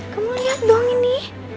kamu lihat dong ini